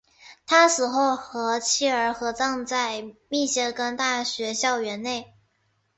他死后和妻儿合葬在密歇根大学校园内。